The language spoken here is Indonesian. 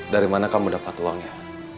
dari mana kamu mendapat uangnya